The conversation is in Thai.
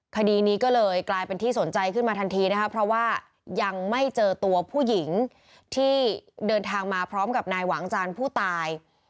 คดีนี้ก็เลยกลายเป็นที่สนใจขึ้นมาทันทีนะครับเพราะว่ายังไม่เจอตัวผู้หญิงที่เดินทางมาพร้อมกับนายหวังจานผู้ตาย